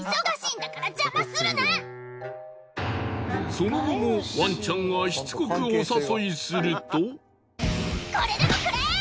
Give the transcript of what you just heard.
その後もワンちゃんがしつこくお誘いすると。